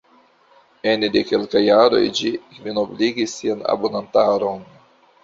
Ene de kelkaj jaroj ĝi kvinobligis sian abonantaron.